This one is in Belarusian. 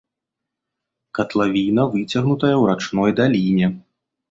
Катлавіна выцягнутая ў рачной даліне.